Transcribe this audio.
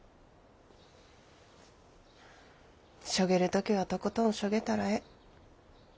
しょげる時はとことんしょげたらええ。